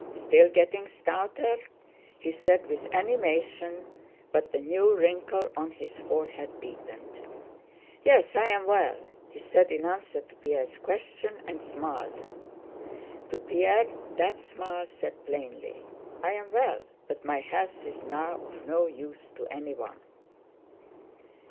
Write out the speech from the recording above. Still getting stouter?" he said with animation, but the new wrinkle on his forehead deepened. "Yes, I am well," he said in answer to Pierre's question, and smiled. To Pierre that smile said plainly: "I am well, but my health is now of no use to anyone."